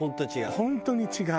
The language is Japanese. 本当に違う。